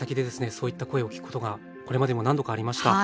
そういった声を聞くことがこれまでも何度かありました。